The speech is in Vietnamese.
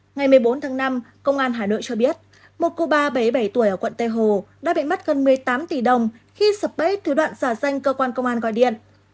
ngày một mươi bốn tháng năm công an hà nội cho biết một cô ba bảy mươi bảy tuổi ở quận tê hồ đã bị mất gần một mươi tám tỷ đồng khi sập bấy thử đoạn giả danh cơ quan công an gọi điện